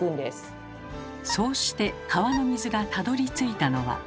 そうして川の水がたどりついたのは。